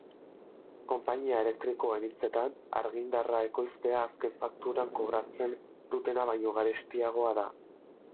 Konpainia elektrikoen hitzetan, argindarra ekoiztea azken fakturan kobratzen dutena baino garestiagoa da.